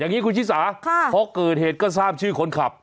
อย่างนี้คุณชิสาพอเกิดเหตุก็ทราบชื่อคนขับ